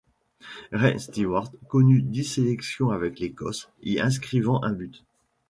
Ray Stewart connut dix sélections avec l'Écosse, y inscrivant un but.